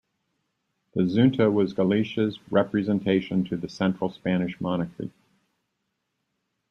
The Xunta was Galicia's representation to the central Spanish monarchy.